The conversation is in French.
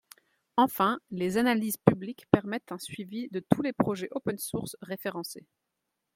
Enfin, les analyses publiques permettent un suivi de tous les projets OpenSource référencés.